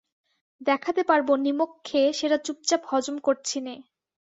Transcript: দেখাতে পারব নিমক খেয়ে সেটা চুপচাপ হজম করছি নে।